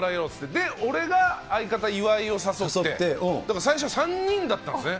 で、俺が相方、岩井を誘って、だから最初、３人だったんですね。